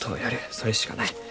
それしかない。